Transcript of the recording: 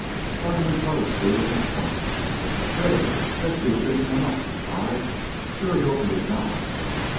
Suddenly Flo squealed and pointed. "There! that sheep didn't come up," she cried. "Shore he opened his mouth."